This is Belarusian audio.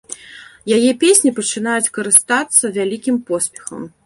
Яе песні пачынаюць карыстацца вялікім поспехам.